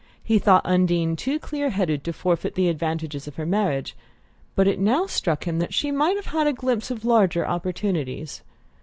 He thought Undine too clear headed to forfeit the advantages of her marriage; but it now struck him that she might have had a glimpse of larger opportunities.